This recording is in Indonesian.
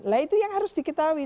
nah itu yang harus diketahui